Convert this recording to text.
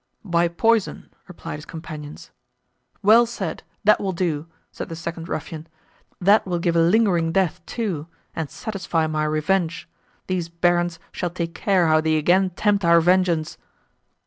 _" "By poison," replied his companions. "Well said! that will do," said the second ruffian, "that will give a lingering death too, and satisfy my revenge. These barons shall take care how they again tempt our vengeance."